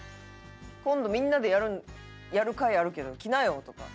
「今度みんなでやる会あるけど来なよ」とか。